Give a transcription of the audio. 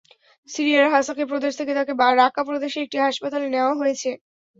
সিরিয়ার হাসাকে প্রদেশ থেকে তাঁকে রাকা প্রদেশের একটি হাসপাতালে নেওয়া হয়েছে।